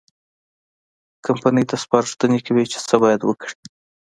کمپنۍ ته سپارښتنې کوي چې څه باید وکړي.